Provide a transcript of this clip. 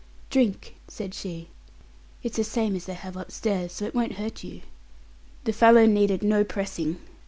"Drink," said she. "It's the same as they have upstairs, so it won't hurt you." The fellow needed no pressing.